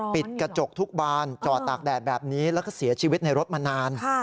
ปิดกระจกทุกบานจอดตากแดดแบบนี้แล้วก็เสียชีวิตในรถมานาน